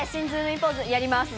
ポーズやります。